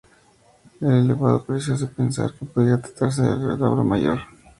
El elevado precio hace pensar que pudiera tratarse del retablo mayor.